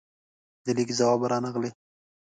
د لیک ځواب رانغلې